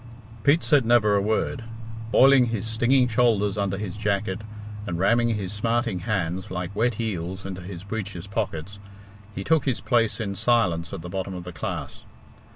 Pete said never a word. Boiling his stinging shoulders under his jacket, and ramming his smarting hands, like wet eels, into his breeches' pockets, he took his place in silence at the bottom of the class.